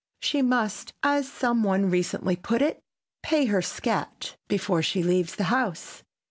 She must, as some one recently put it, "pay her scat" before she leaves the house.